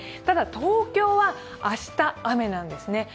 ただ、東京は明日、雨なんですね。